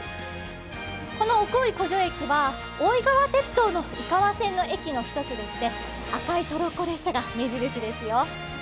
この奥大井湖上駅は大井川鉄道・井川線の１つでして赤いトロッコ列車が目印ですよ。